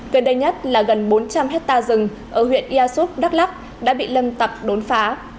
gần đây nhất là gần bốn trăm linh hectare rừng ở huyện yasut đắk lắk đã bị lâm tập đốn phá